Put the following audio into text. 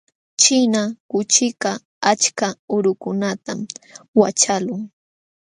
Ćhina kuchikaq achka urukunatam waćhaqlun.